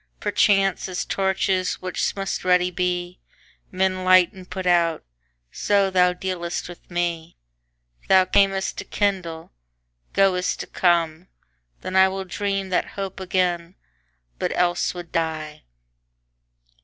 Perchance, as torches, which must ready be, Men light and put out, so thou dealst with me. Thou cam'st to kindle, goest to come: then IWill dream that hope again, but else would die.